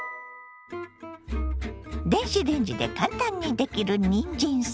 電子レンジで簡単にできるにんじんサラダ。